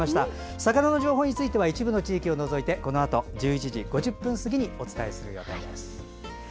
魚の情報については一部の地域を除いて１１時５０分すぎにお伝えする予定です。